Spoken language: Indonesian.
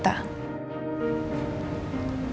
tapi pangeran gak bisa tepatin